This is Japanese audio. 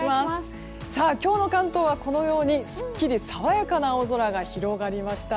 今日の関東は、すっきり爽やかな青空が広がりました。